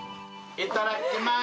いたらきまーす。